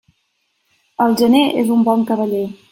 El gener és un bon cavaller.